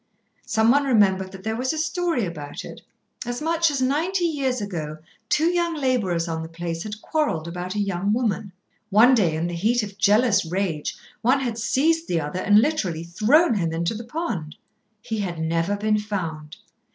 Someone remembered that there was a story about it. As much as ninety years ago two young labourers on the place had quarrelled about a young woman. One day, in the heat of jealous rage one had seized the other and literally thrown him into the pond. He had never been found.